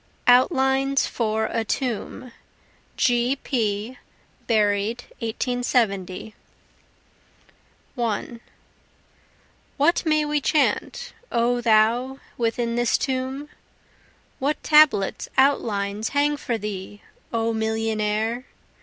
Outlines for a Tomb [G. P., Buried 1870] 1 What may we chant, O thou within this tomb? What tablets, outlines, hang for thee, O millionnaire?